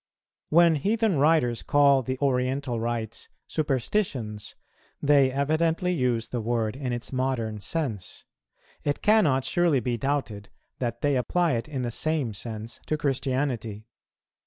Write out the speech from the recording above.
When heathen writers call the Oriental rites superstitions, they evidently use the word in its modern sense; it cannot surely be doubted that they apply it in the same sense to Christianity.